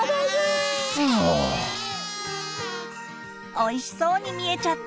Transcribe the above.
おいしそうに見えちゃった？